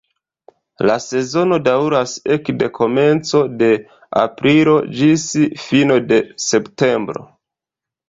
La sezono daŭras ekde komenco de aprilo ĝis fino de septembro.